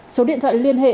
số điện thoại liên hệ